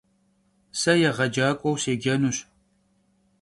Se yêğecak'ueu sêcenuş.